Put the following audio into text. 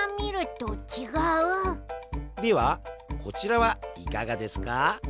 ではこちらはいかがですか？